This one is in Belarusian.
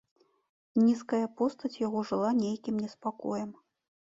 Нізкая постаць яго жыла нейкім неспакоем.